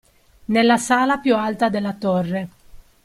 Nella sala più alta della torre.